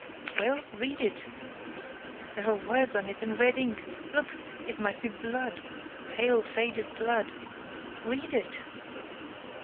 "Well, read it!—There are words in red ink—Look!—it might be blood—pale, faded blood—Read it!